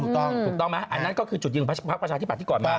ถูกต้องไหมอันนั้นก็คือจุดยืนพักประชาที่ป่าที่ก่อนมา